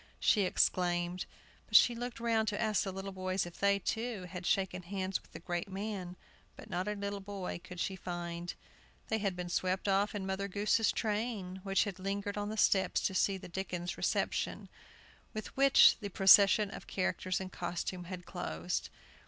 she exclaimed. But she looked round to ask the little boys if they, too, had shaken hands with the great man, but not a little boy could she find. They had been swept off in Mother Goose's train, which had lingered on the steps to see the Dickens reception, with which the procession of characters in costume had closed.